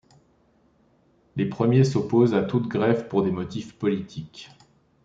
Les premiers s'opposent à toute grève pour des motifs politiques.